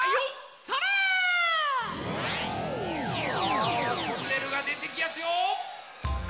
さあトンネルがでてきやすよ。